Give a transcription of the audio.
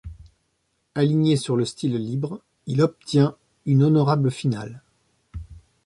Aligné sur le style libre, il obtient une honorable finale.